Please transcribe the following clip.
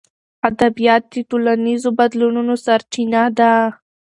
ادبیات د ټولنیزو بدلونونو سرچینه ده.